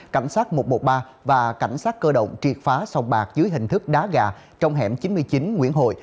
cảnh sát một trăm một mươi ba và cảnh sát cơ động triệt phá song bạc dưới hình thức đá gà trong hẻm chín mươi chín nguyễn hội